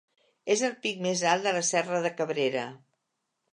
És el pic més alt de la serra de Cabrera.